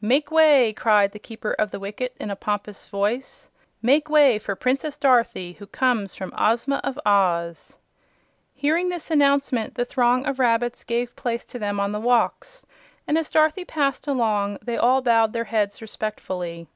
"Make way!" cried the Keeper of the Wicket, in a pompous voice; "make way for Princess Dorothy, who comes from Ozma of Oz." Hearing this announcement, the throng of rabbits gave place to them on the walks, and as Dorothy passed along they all bowed their heads respectfully.